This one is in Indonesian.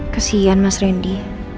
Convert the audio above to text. kesian mas randy